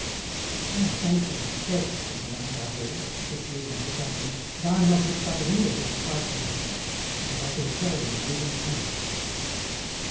"I am thankful, myself," said Mme. Carhaix, as she took leave of the company, "that I am not mixed up in any of this frightful business, and that I can pray and live in peace."